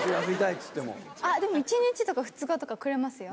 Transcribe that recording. １日とか２日とかくれますよ。